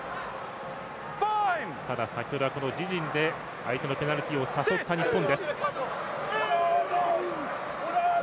ただ、先ほどは自陣で相手のペナルティを誘った日本。